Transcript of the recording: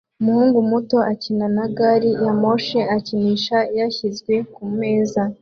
Umuhungu muto ukina na gari ya moshi ikinisha yashyizwe kumeza